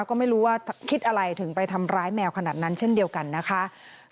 ก็ไม่รู้ว่าคิดอะไรถึงไปทำร้ายแมวขนาดนั้นเช่นเดียวกันนะคะ